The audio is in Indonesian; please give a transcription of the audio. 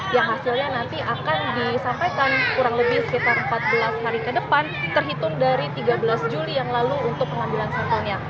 yang hasilnya nanti akan disampaikan kurang lebih sekitar empat belas hari ke depan terhitung dari tiga belas juli yang lalu untuk pengambilan sampelnya